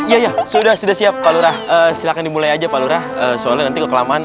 iya ya sudah sudah siap pak lurah silakan dimulai aja pak lurah soalnya nanti kekelamaan